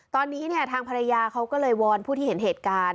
ตอนนี้เนี่ยทางภรรยาเขาก็เลยวอนผู้ที่เห็นเหตุการณ์